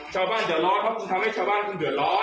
ชาวบ้านเหลือร้อนเขาคงทำให้ชาวบ้านเหลือร้อน